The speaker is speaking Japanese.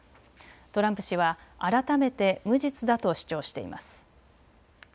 トランプ氏は改めて無実だと主張しています。